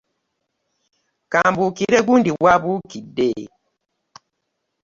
Kambukire gundi wabukidde.